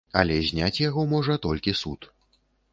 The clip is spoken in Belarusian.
Але зняць яго можа толькі суд.